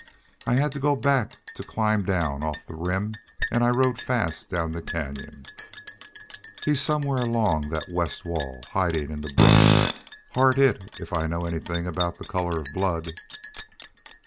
I had to go back to climb down off the Rim, an' I rode fast down the canyon. He's somewhere along that west wall, hidin' in the brush, hard hit if I know anythin' aboot the color of blood."